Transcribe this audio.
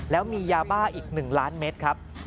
แล้วมียาบ้าอีก๑ล้านเมตรครับ